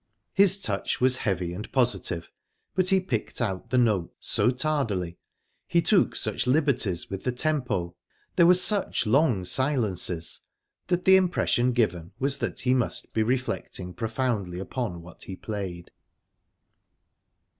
his touch was heavy and positive, but he picked out the notes so tardily, he took such liberties with the tempo, there were such long silences, that the impression given was that he must be reflecting profoundly upon what he played...